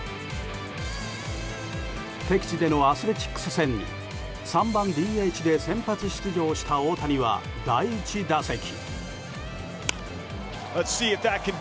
敵地でのアスレチックス戦に３番ＤＨで先発出場した大谷は第１打席。